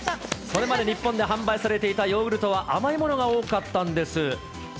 それまで日本で販売されていたヨーグルトは、甘いものが多かったんです。